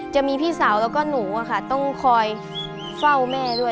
จะมีพี่สาวแล้วก็หนูต้องคอยเฝ้าแม่ด้วย